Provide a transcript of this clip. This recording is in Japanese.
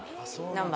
何番？